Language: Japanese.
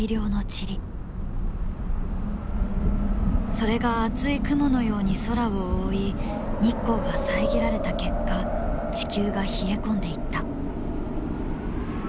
それが厚い雲のように空を覆い日光が遮られた結果地球が冷え込んでいった。